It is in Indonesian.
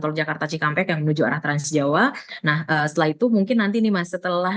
tol jakarta cikampek yang menuju arah transjawa nah setelah itu mungkin nanti nih mas setelah